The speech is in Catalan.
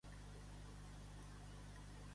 Checkpoint Systems té la seva seu a Thorofare.